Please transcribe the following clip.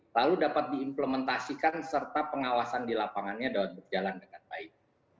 lalu dapat diimplementasikan serta pengawasan di lapangannya dapat berjalan dengan baik